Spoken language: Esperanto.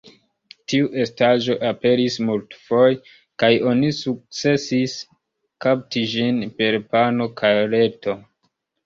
Tiu estaĵo aperis multfoje kaj oni sukcesis kapti ĝin per pano kaj reto.